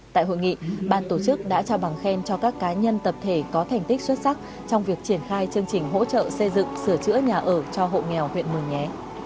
tại hội nghị ban tổ chức đã trao bằng khen cho các cá nhân tập thể có thành tích xuất sắc trong việc triển khai chương trình hỗ trợ xây dựng sửa chữa nhà ở cho hộ nghèo huyện mường nhé